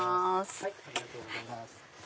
ありがとうございます。